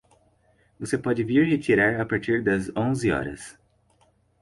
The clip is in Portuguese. Você pode vir retirar a partir das onze horas.